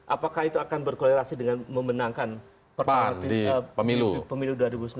apakah itu akan berkorelasi dengan memenangkan pan di pemilu dua ribu sembilan belas